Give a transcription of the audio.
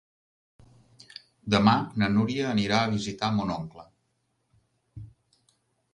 Demà na Núria anirà a visitar mon oncle.